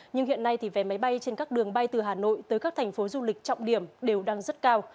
nhưng hiện nay thì vé máy bay trên các đường bay từ hà nội tới các thành phố du lịch trọng điểm đều đang rất cao